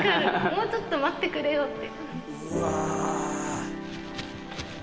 もうちょっと待ってくれよって。